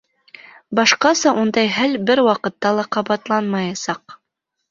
Башҡаса ундай хәл бер ваҡытта ла ҡабатланмаясаҡ.